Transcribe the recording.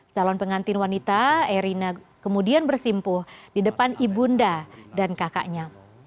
calon pengantin wanita erina kemudian bersimpuh di depan ibunda dan kakaknya